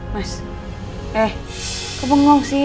mas eh kau bengong sih